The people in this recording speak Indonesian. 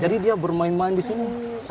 jadi dia bermain main di sini